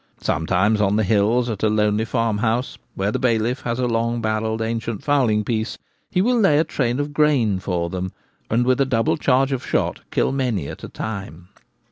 Sometimes on the hills at a lonely farmhouse, where the bailiff has a long barrelled ancient fowling piece, he will lay a train of grain for them, and with a double charge of shot, kill many at a time.